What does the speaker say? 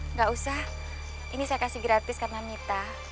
nggak usah ini saya kasih gratis karena mita